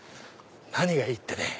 何がいいってね